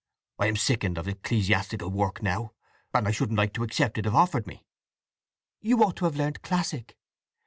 I am sickened of ecclesiastical work now; and I shouldn't like to accept it, if offered me!" "You ought to have learnt classic.